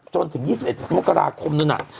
จนถึง๒๑มกราคมนั้น